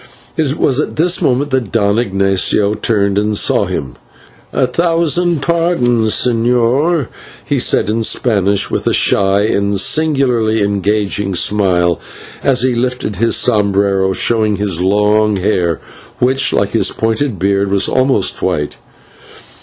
It was at this moment that Don Ignatio turned and saw him. "A thousand pardons, señor," he said in Spanish, with a shy and singularly engaging smile as he lifted his sombrero, showing his long hair, which, like his pointed beard, was almost white.